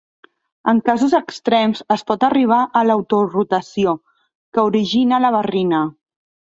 En casos extrems es pot arribar a l'autorotació, que origina la barrina.